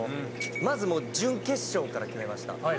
まずもう準決勝から決めました。